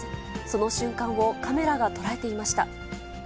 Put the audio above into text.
その瞬間をカメラが捉えていました。